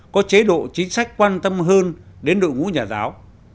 có chế độ chính sách quan tâm hơn đến đội ngũ nhà giáo